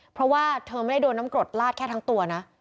เพราะว่าเธอไม่ได้โดนน้ำกรดลาดแค่ทั้งตัวนะ